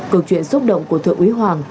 câu chuyện xúc động của thượng úy hoàng